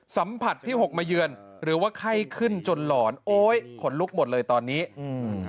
สัมผัสที่หกมาเยือนหรือว่าไข้ขึ้นจนหลอนโอ้ยขนลุกหมดเลยตอนนี้อืม